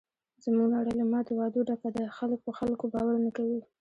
زموږ نړۍ له ماتو وعدو ډکه ده. خلک په خلکو باور نه کوي.